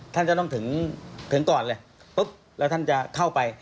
ท่านจะต้องถึงก่อนเลยปุ๊บแล้วท่านจะเข้าไป